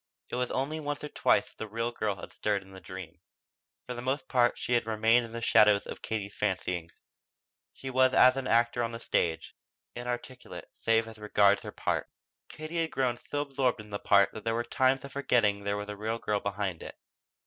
It was only once or twice that the real girl had stirred in the dream. For the most part she had remained in the shadow of Katie's fancyings. She was as an actor on the stage, inarticulate save as regards her part. Katie had grown so absorbed in that part that there were times of forgetting there was a real girl behind it.